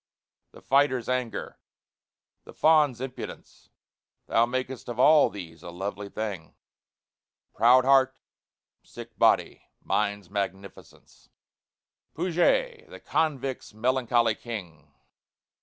The fighter's anger, the faun's impudence, Thou makest of all these a lovely thing; Proud heart, sick body, mind's magnificence: PUGET, the convict's melancholy king.